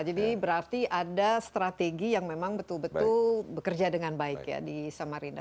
jadi berarti ada strategi yang memang betul betul bekerja dengan baik di samarinda